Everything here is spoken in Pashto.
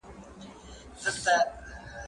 زه بوټونه پاک کړي دي